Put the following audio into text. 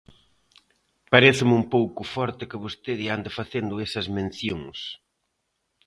Paréceme un pouco forte que vostede ande facendo esas mencións.